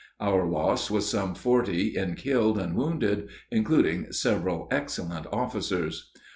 Our loss was some forty in killed and wounded, including several excellent officers.